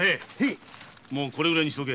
もうこれぐらいにしとけ。